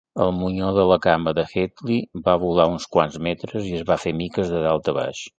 El monyó de la cama de Headley va volar uns quants metres i es va fer miques de dalt baix.